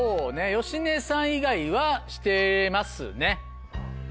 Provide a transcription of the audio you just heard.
芳根さん以外はしてますね。